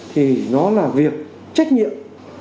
thì nó là việc trách nhiệm